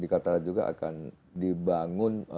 kita juga akan dibangun